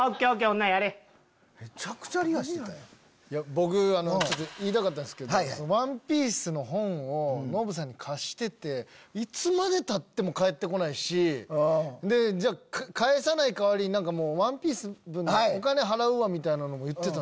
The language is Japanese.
僕ちょっと言いたかったんですけど『ＯＮＥＰＩＥＣＥ』の本をノブさんに貸してていつまでたっても返って来ないし返さない代わりに『ＯＮＥＰＩＥＣＥ』分のお金払うわみたいなのも言ってた。